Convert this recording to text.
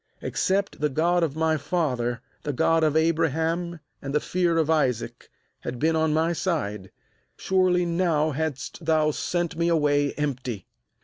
^Except the God of my father, the God of Abraham, and the Fear of Isaac, had been on my side, surely now hadst thou sent me away empty.